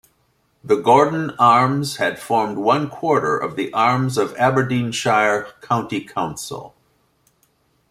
The Gordon arms had formed one quarter of the arms of Aberdeenshire County Council.